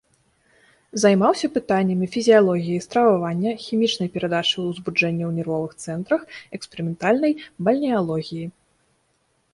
Займаўся пытаннямі фізіялогіі стрававання, хімічнай перадачы ўзбуджэння ў нервовых цэнтрах, эксперыментальнай бальнеалогіі.